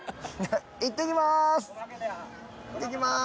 いってきます。